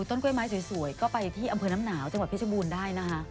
ต้นไม้สวยก็ไปที่อำเภอน้ำหนาวจังหวัดพิบูรณ์ได้นะคะ